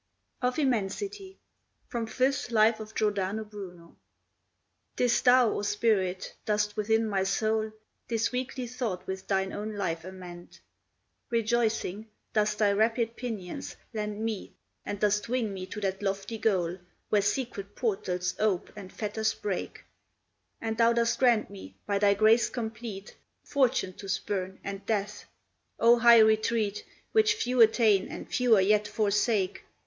OF IMMENSITY From Frith's 'Life of Giordano Bruno' 'Tis thou, O Spirit, dost within my soul This weakly thought with thine own life amend; Rejoicing, dost thy rapid pinions lend Me, and dost wing me to that lofty goal Where secret portals ope and fetters break, And thou dost grant me, by thy grace complete, Fortune to spurn, and death; O high retreat, Which few attain, and fewer yet forsake!